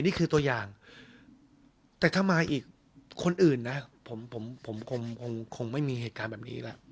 นี่คือตัวอย่างแต่ถ้ามาอีกคนอื่นนะผมผมคงไม่มีเหตุการณ์แบบนี้อีกแล้ว